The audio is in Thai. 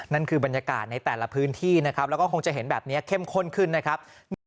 นั่นคือบรรยากาศในแต่ละพื้นที่นะครับแล้วก็คงจะเห็นแบบนี้เข้มข้นขึ้นนะครับ